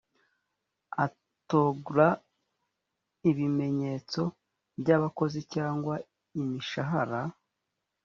atrgura ibihembo by’abakozi cyangwa imishahara